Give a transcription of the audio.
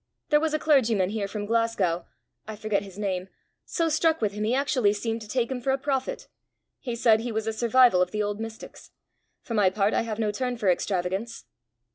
There was a clergyman here from Glasgow I forget his name so struck with him he seemed actually to take him for a prophet. He said he was a survival of the old mystics. For my part I have no turn for extravagance."